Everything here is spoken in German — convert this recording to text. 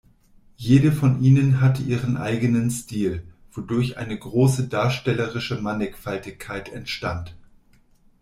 Jede von ihnen hatte ihren eigenen Stil, wodurch eine große darstellerische Mannigfaltigkeit entstand.